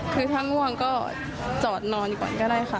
คือถ้าง่วงก็จอดนอนอยู่ก่อนก็ได้ค่ะ